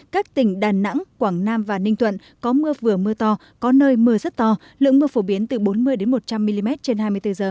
các tỉnh đà nẵng quảng nam và ninh thuận có mưa vừa mưa to có nơi mưa rất to lượng mưa phổ biến từ bốn mươi một trăm linh mm trên hai mươi bốn h